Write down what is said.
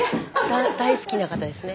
大好きな方ですね。